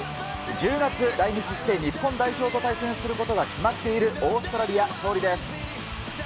１０月、来日して日本代表と対戦することが決まっているオーストラリア、勝利です。